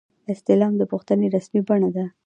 استعلام د پوښتنې رسمي بڼه ده